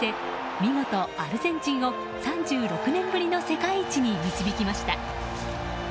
見事、アルゼンチンを３６年ぶりの世界一に導きました。